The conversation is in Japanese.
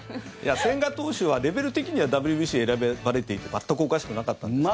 千賀投手はレベル的にはＷＢＣに選ばれていても全くおかしくなかったんですが。